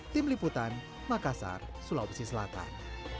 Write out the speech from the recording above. tim liputan makassar sulawesi selatan